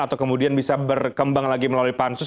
atau kemudian bisa berkembang lagi melalui pansus